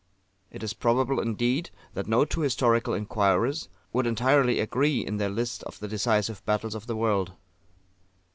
It is probable, indeed, that no two historical inquirers would entirely agree in their lists of the Decisive Battles of the World.